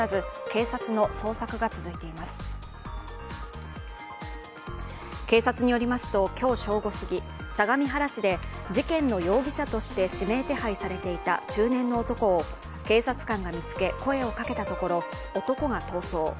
警察によりますと、今日正午すぎ相模原市で、事件の容疑者として指名手配されていた中年の男を警察官が見つけ、声をかけたところ男が逃走。